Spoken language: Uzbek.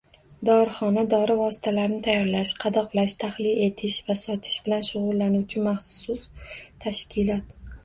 Dorixona dori vositalarini tayyorlash, qadoqlash, tahlil etish va sotish bilan shug‘ullanuvchi maxsus tashkilot